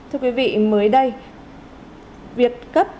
hãy đăng ký kênh để ủng hộ kênh của mình nhé